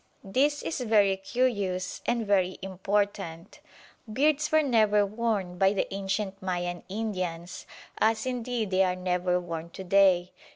This is very curious and very important. Beards were never worn by the ancient Mayan Indians, as indeed they are never worn to day.